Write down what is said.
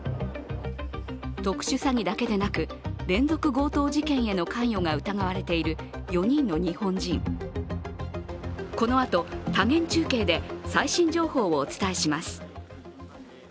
特殊詐欺だけでなく、連続強盗事件への関与が疑われている４人の日本人、このあと多元中継で最新情報をお伝えします。